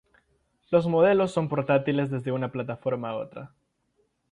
Los modelos son portátiles desde una plataforma a otra.